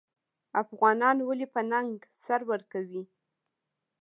افغانان ولې په ننګ سر ورکوي؟